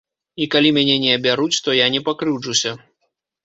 І калі мяне не абяруць, то я не пакрыўджуся.